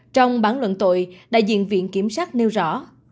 trong bản luận tội đại diện viện kiểm sát nêu rõ